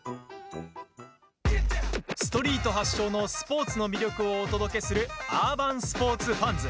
ストリート発祥のスポーツの魅力をお届けする「アーバンスポーツＦａｎｓ」。